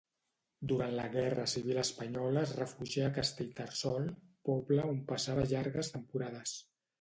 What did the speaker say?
Durant la guerra civil espanyola es refugià a Castellterçol, poble on passava llargues temporades.